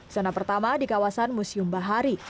zona pertama di kawasan museum bahari